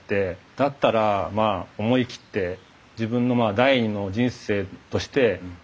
だったらまあ思い切って自分の第２の人生としてチャレンジしたいと。